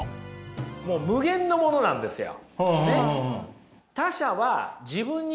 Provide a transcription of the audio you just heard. もう無限のものなんですよ。